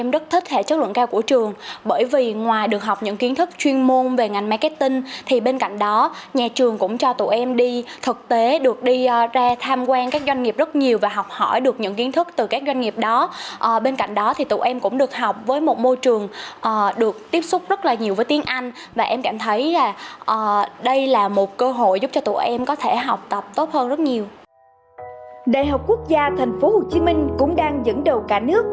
đại học quốc gia thành phố hồ chí minh cũng đang dẫn đầu cả nước